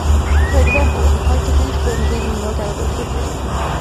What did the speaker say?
For example, in reply to Who's been leaving the milk out of the refrigerator?